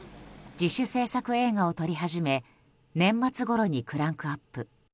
自主制作映画を撮り始め年末ごろにクランクアップ。